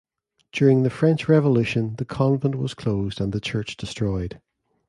During the French Revolution the convent was closed and the church destroyed.